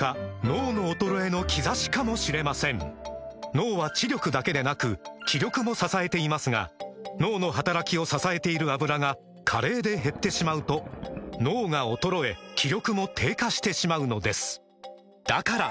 脳の衰えの兆しかもしれません脳は知力だけでなく気力も支えていますが脳の働きを支えている「アブラ」が加齢で減ってしまうと脳が衰え気力も低下してしまうのですだから！